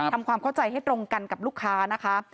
ทำความเข้าใจให้ตรงกันกับลูกค้านะคะ